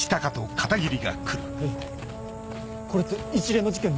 えっこれって一連の事件の。